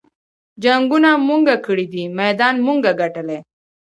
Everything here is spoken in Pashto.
جنګــــونه مونږه کـــــــــړي دي مېدان مونږه ګټلے